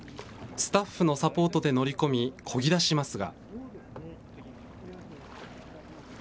スタッフのサポートで乗り込み、こぎ出しますが。